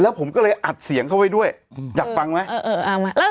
แล้วผมก็เลยอัดเสียงเข้าไว้ด้วยจักรฟังไหมเออเออเออ